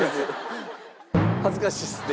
恥ずかしいですね。